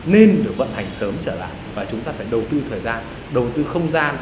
nên được vận hành sớm trở lại và chúng ta phải đầu tư thời gian đầu tư không gian